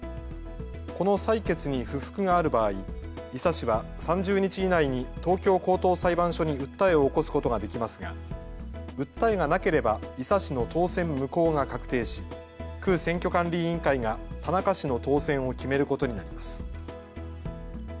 この裁決に不服がある場合、井佐氏は３０日以内に東京高等裁判所に訴えを起こすことができますが訴えがなければ井佐氏の当選無効が確定し区選挙管理委員会が田中氏の当選を決めることになります。